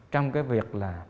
trong cái việc là